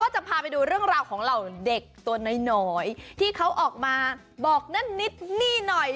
จะพาไปดูเรื่องราวของเหล่าเด็กตัวน้อยที่เขาออกมาบอกนั่นนิดนี่หน่อย